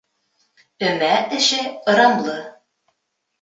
Өмә эше ырамлы.